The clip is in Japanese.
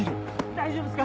大丈夫っすか。